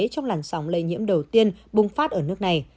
trong làn sóng lây nhiễm đầu tiên bùng phát ở nước này